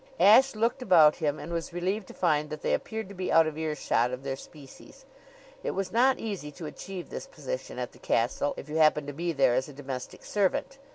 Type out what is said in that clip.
Ashe looked about him and was relieved to find that they appeared to be out of earshot of their species. It was not easy to achieve this position at the castle if you happened to be there as a domestic servant.